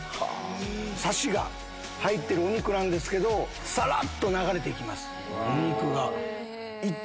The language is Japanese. サシが入ってるお肉なんですけどさらっと流れて行きます。